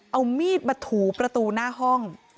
เอามีดมาถูประตูหน้าห้อง